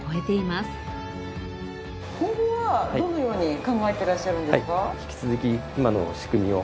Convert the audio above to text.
今後はどのように考えていらっしゃるんですか？